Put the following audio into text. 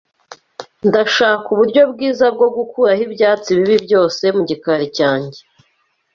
Ndashaka uburyo bwiza bwo gukuraho ibyatsi bibi byose mu gikari cyanjye.